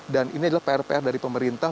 dan ini adalah pr pr dari pemerintah